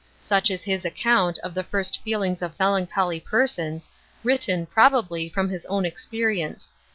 Such is his account of the first feelings of melancholy persons, written, probably, from his own experience.